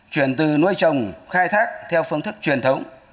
chuyển từ nuôi trồng khai thác theo phương thức truyền thống